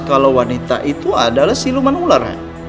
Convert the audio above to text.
kalau wanita itu adalah si luman ular